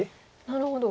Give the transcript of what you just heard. なるほど。